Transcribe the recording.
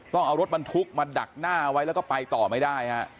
ต้องเอารถบรรทุกมาดักหน้าไว้แล้วก็ไปต่อไม่ได้ฮะ